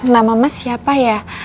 nama mas siapa ya